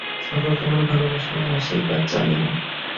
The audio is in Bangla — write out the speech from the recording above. সকলকে আমার ভালবাসা ও আশীর্বাদ জানিও।